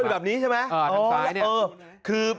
อ๋อแบบนี้ใช่ไหมทางซ้ายเนี่ยอ๋อคือ